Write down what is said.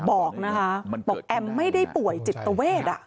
บอกแอมไม่ได้ป่วยจิตเวท